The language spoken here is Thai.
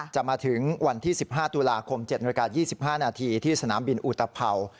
จะมาถึงวันที่๑๕ตุลาคม๗นาฬิกา๒๕นาทีที่สนามบินอุตภัวร์